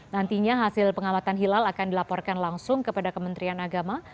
nantinya hasil pengamatan hilal akan dilaporkan langsung kepada kementerian agama